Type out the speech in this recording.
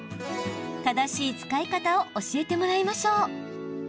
正しい使い方を教えてもらいましょう。